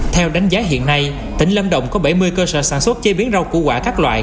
theo đánh giá hiện nay tỉnh lâm đồng có bảy mươi cơ sở sản xuất chế biến rau củ quả các loại